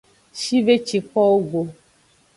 Shve ci kowo go.